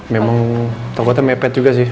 memang tokonya mepet juga sih